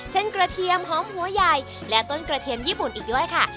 กระเทียมหอมหัวใหญ่และต้นกระเทียมญี่ปุ่นอีกด้วยค่ะ